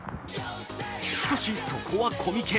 しかし、そこはコミケ。